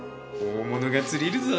大物が釣れるぞ。